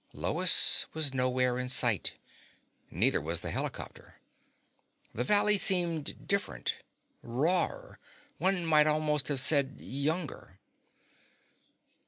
Lois was nowhere in sight. Neither was the helicopter. The valley seemed different, rawer one might almost have said younger.